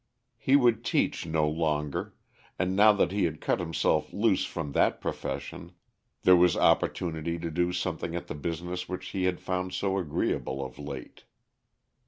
He would teach no longer, and now that he had cut himself loose from that profession there was opportunity to do something at the business which he had found so agreeable of late.